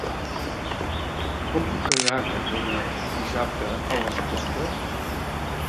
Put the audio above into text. Com puc anar a Cardona dissabte a les quatre?